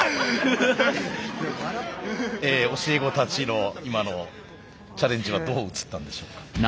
え教え子たちの今のチャレンジはどう映ったんでしょうか。